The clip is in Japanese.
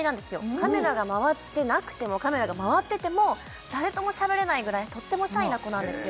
カメラが回ってなくてもカメラが回ってても誰ともしゃべれないぐらいとってもシャイな子なんですよ